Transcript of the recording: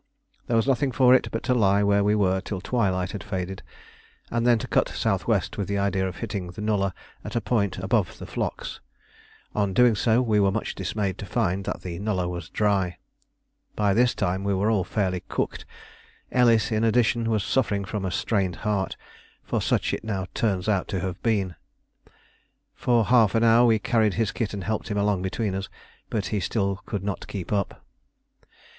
There was nothing for it but to lie where we were till twilight had faded, and then to cut south west with the idea of hitting the nullah at a point above the flocks. On doing so we were much dismayed to find that the nullah was dry. By this time we were all fairly "cooked"; Ellis, in addition, was suffering from a strained heart for such it now turns out to have been. For half an hour we carried his kit and helped him along between us, but he still could not keep up.